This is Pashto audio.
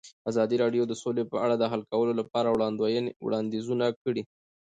ازادي راډیو د سوله په اړه د حل کولو لپاره وړاندیزونه کړي.